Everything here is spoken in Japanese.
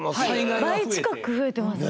倍近く増えてますね。